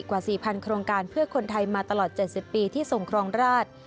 กว่า๔๐๐โครงการเพื่อคนไทยมาตลอด๗๐ปีที่ทรงครองราช